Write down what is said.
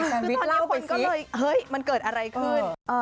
แซนวิทย์เล่าไปสิคือตอนนี้คนก็เลยเฮ้ยมันเกิดอะไรขึ้น